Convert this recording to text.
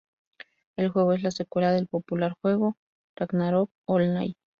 El juego es la secuela del popular juego Ragnarok Online.